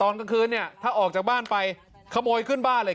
กลางคืนเนี่ยถ้าออกจากบ้านไปขโมยขึ้นบ้านเลย